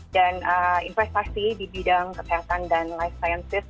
dan investasi di bidang kesehatan dan life sciences